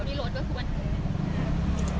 ไม่ใช่นี่คือบ้านของคนที่เคยดื่มอยู่หรือเปล่า